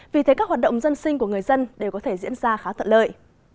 vì thế các hoạt động dân sinh của người dân đều có thể diễn ra khá thuận lợi